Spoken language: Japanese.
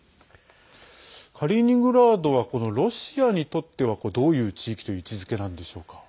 カリーニングラードはこのロシアにとってはどういう地域という位置づけなんでしょうか。